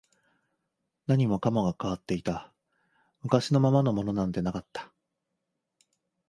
何もかもが変わっていた、昔のままのものなんてなかった